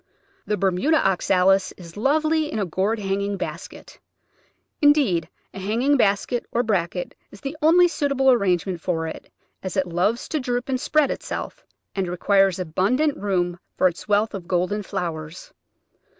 The Bermuda Oxalis is lovely in a gourd hanging basket; indeed, a hanging basket, or bracket, is the only suitable arrangement for it, as it loves to droop and spread itself, and re quires abundant room for its wealth of golden flowers.